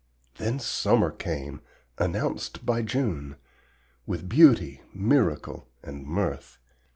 Then summer came, announced by June, With beauty, miracle and mirth.